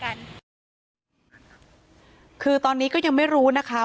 กันตอนนี้คือตอนนี้ก็ยังไม่รู้นะคะ